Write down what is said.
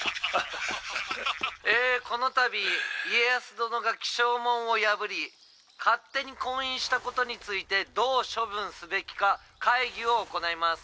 「えこの度家康殿が起請文を破り勝手に婚姻したことについてどう処分すべきか会議を行います。